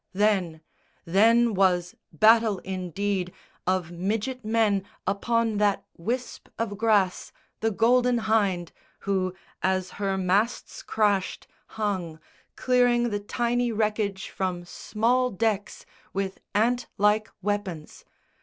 Then, then was battle indeed Of midget men upon that wisp of grass The Golden Hynde, who, as her masts crashed, hung Clearing the tiny wreckage from small decks With ant like weapons.